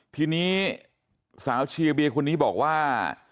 ทีนี้สาวเชียร์เบียคนนี้บอกว่า